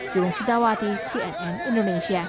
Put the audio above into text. jum'at sitawati cnn indonesia